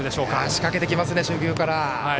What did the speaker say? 仕掛けてきますね初球から。